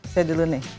saya dulu nih